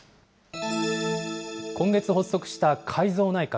今月発足した改造内閣。